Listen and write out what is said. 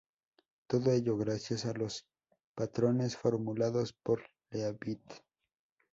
Todo ello, gracias a los patrones formulados por Leavitt.